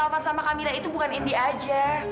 taufan sama kamila itu bukan indy aja